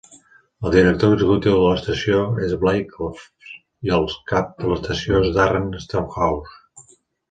El director executiu de l'estació és Blair Crofts, i el cap de l'estació és Darren Stenhouse.